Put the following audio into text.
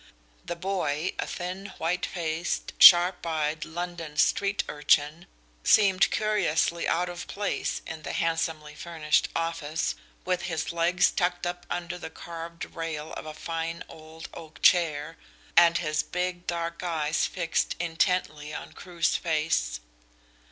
The boy, a thin white faced, sharp eyed London street urchin, seemed curiously out of place in the handsomely furnished office, with his legs tucked up under the carved rail of a fine old oak chair, and his big dark eyes fixed intently on Crewe's face.